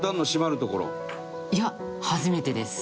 いや初めてです。